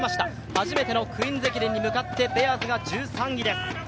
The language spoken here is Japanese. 初めてのクイーンズ駅伝に向かって、ベアーズが１３位です。